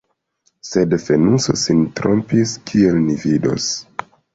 Sed Fenuso sin trompis, kiel ni vidos.